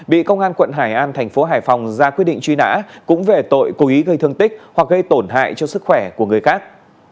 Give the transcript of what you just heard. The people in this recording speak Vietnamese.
bị công an quận hải an thành phố hải phòng ra quyết định truy nã cũng về tội cố ý gây thương tích hoặc gây tổn hại cho sức khỏe của người khác